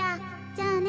じゃあね。